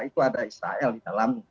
itu ada israel di dalam